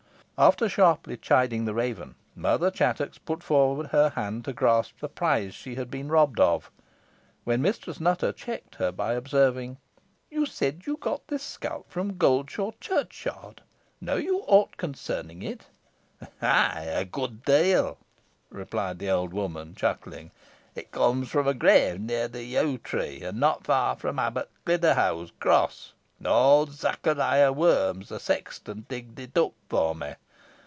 After sharply chiding the raven, Mother Chattox put forth her hand to grasp the prize she had been robbed of, when Mistress Nutter checked her by observing, "You said you got this scalp from Goldshaw churchyard. Know you ought concerning it?" "Ay, a good deal," replied the old woman, chuckling. "It comes from a grave near the yew tree, and not far from Abbot Cliderhow's cross. Old Zachariah Worms, the sexton, digged it up for me.